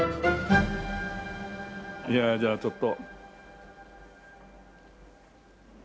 いやじゃあちょっと。